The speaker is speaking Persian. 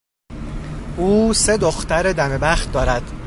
او سه دختر دم بخت دارد.